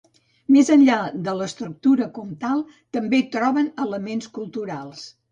Més enllà de l'estructura comtal també trobem elements culturals.